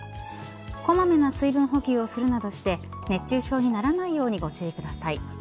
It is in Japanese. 小まめな水分補給をするなどして熱中症にならないようにご注意ください。